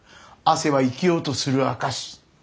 汗は生きようとする証し。